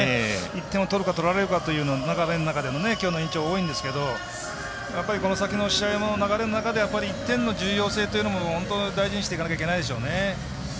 １点を取るか取られるかの流れの中でのきょう、延長は多いんですけどこの先の試合の流れの中で１点の重要性というのも大事にしていかなきゃいけないですよね。